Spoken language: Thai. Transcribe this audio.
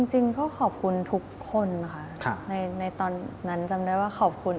จริงก็ขอบคุณทุกคนนะคะในตอนนั้นจำได้ว่าขอบคุณ